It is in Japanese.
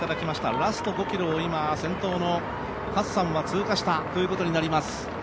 ラスト５ｋｍを今、先頭のハッサンが通過したということになります。